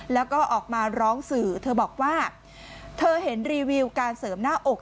แล้วก็ออกมาร้องสื่อเธอบอกว่าเธอเห็นรีวิวการเสริมหน้าอก